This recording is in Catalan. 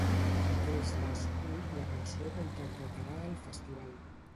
Aquesta escull la cançó que interpretarà al Festival.